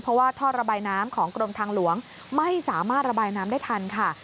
เพราะว่าท่อระบายน้ำของกรมทางหลวงไม่สามารถระบายน้ำได้ทันค่ะ